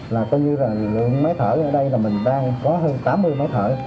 là coi như là lượng máy thở ở đây là mình đang có hơn tám mươi máy thở